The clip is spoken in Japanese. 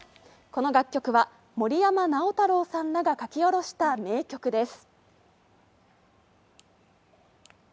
この楽曲は森山直太朗さんらが書き下ろした名曲です。